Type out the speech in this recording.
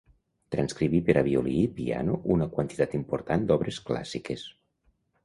Transcriví per a violí i piano una quantitat important d'obres clàssiques.